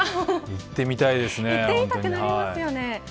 行ってみたくなりますよね。